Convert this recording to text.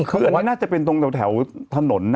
คือน่าจะเป็นตรงจากแถวถนน